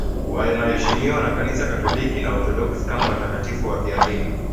Wanaheshimiwa na Kanisa Katoliki na Waorthodoksi kama watakatifu wafiadini.